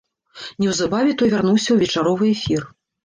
Неўзабаве той вярнуўся ў вечаровы эфір.